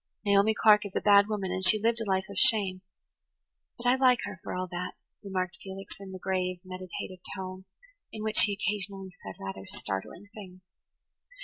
[Page 99] "Naomi Clark is a bad woman and she lived a life of shame, but I like her, for all that," remarked Felix, in the grave, meditative tone in which he occasionally said rather startling things.